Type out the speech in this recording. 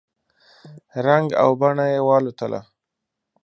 رنګ او بڼه یې والوتله !